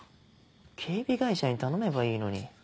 警備会社に頼めばいいのに。